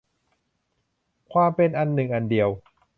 ความเป็นอันหนึ่งอันเดียว